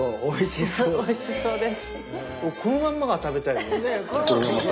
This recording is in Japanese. おいしそうですね。